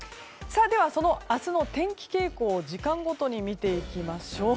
その明日の天気傾向を時間ごとに見ていきましょう。